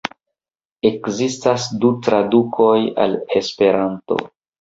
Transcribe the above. Ekzistas du tradukoj al Esperanto.